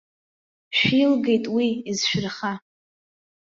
Шәилгеит, уи изшәырха!